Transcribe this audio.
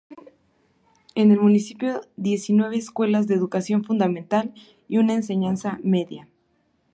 Existen en el municipio diecinueve escuelas de educación fundamental y una de enseñanza media.